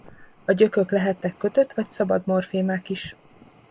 A gyökök lehettek kötött vagy szabad morfémák is.